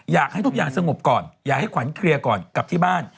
อยากให้ทุกอย่างสงบก่อนอยากให้ขวัญเคลียร์ก่อนกลับที่บ้าน